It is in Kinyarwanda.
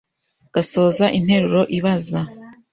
gasoza interuro ibaza.